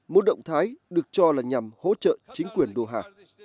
một động thái được cho là nhằm hỗ trợ chính quyền đô hà